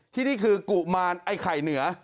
ที่นี่คือกุมารไอ้ไข่เหนือ